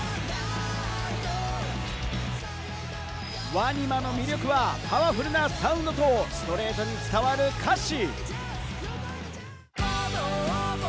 ＷＡＮＩＭＡの魅力は、パワフルなサウンドとストレートに伝わる歌詞。